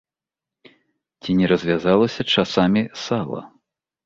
Ці не развязалася часамі сала?